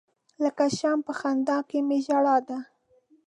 لکه شمع په خندا کې می ژړا ده.